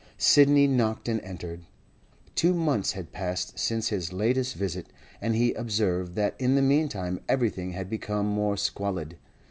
Sidney knocked and entered. Two months had passed since his latest visit, and he observed that in the meantime everything had become more squalid.